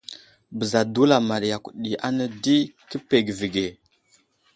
Bəza dulama yakw ɗi ane di kə pege avige.